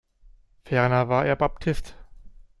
Ferner war er Baptist.